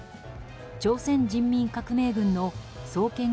朝鮮人民革命軍の創建